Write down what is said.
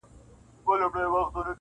• چي د سپي سترګي سوې خلاصي په غپا سو -